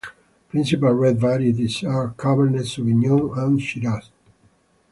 Principal red varieties are Cabernet Sauvignon and Shiraz.